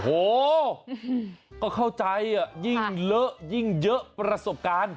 โอ้โหก็เข้าใจยิ่งเลอะยิ่งเยอะประสบการณ์